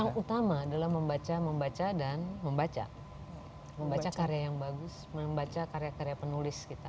yang utama adalah membaca membaca dan membaca membaca karya yang bagus membaca karya karya penulis kita